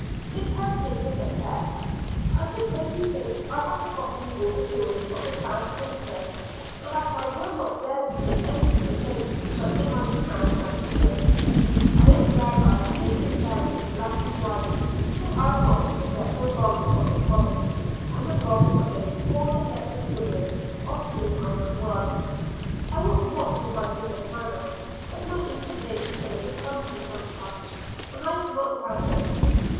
It has taken effect. I suppose he thinks I have forgotten all the doings of the past winter, and that I will not dare to say anything against such a mighty man as he is. I am glad I have taken it down in black and white, so as not to forget the wrongs of the Province, and the wrongs of those poor neglected women, of whom I am one. I ought not to write in this manner, but my indignation overcomes me sometimes, and I cannot help it.